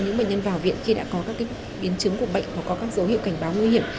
những bệnh nhân vào viện khi đã có các biến chứng của bệnh hoặc có các dấu hiệu cảnh báo nguy hiểm